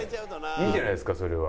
いいじゃないですかそれは。